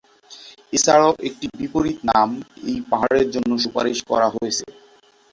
এছাড়াও একটি বিপরীত নাম এই পাহাড়ের জন্য সুপারিশ করা হয়েছে।